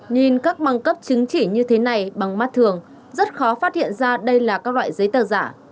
nhìn các băng cấp chứng chỉ như thế này bằng mắt thường rất khó phát hiện ra đây là các loại giấy tờ giả